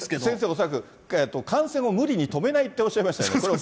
先生、恐らく感染を無理に止めないっておっしゃいましたよね。